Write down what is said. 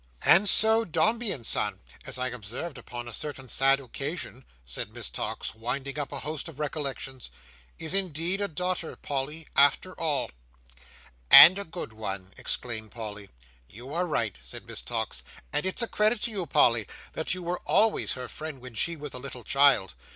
"And so Dombey and Son, as I observed upon a certain sad occasion," said Miss Tox, winding up a host of recollections, "is indeed a daughter, Polly, after all." "And a good one!" exclaimed Polly. "You are right," said Miss Tox; "and it's a credit to you, Polly, that you were always her friend when she was a little child.